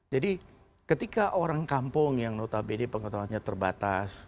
jadi ketika orang kampung yang notabene pengotorannya terbatas